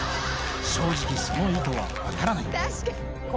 正直、その意図は分からない。